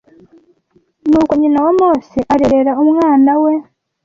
Nuko nyina wa Mose arera umwana we